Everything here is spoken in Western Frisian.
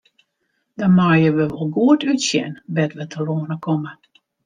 Dan meie we wol goed útsjen wêr't we telâne komme.